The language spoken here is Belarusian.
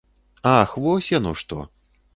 Ах вось яно што!